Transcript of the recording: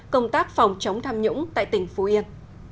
công tác phòng chống tham nhũng tại tỉnh phú yên